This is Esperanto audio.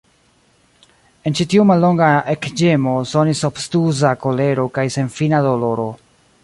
En ĉi tiu mallonga ekĝemo sonis obtuza kolero kaj senfina doloro.